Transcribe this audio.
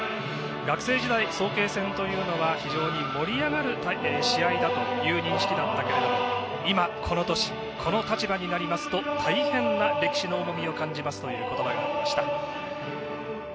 学生時代、早慶戦というのは非常に盛り上がる試合だったという認識だったけれど今、この年、この立場になると大変な歴史の重みを感じますという言葉がありました。